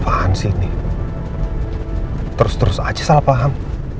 apa apaan sini terus terus aja salah paham